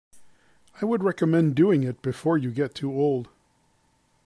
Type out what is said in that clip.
I would recommend doing it before you get too old.